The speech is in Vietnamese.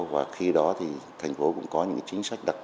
và khi đó thì thành phố cũng có những chính sách đặc biệt